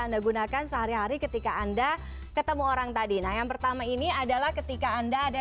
anda gunakan sehari hari ketika anda ketemu orang tadi nah yang pertama ini adalah ketika anda ada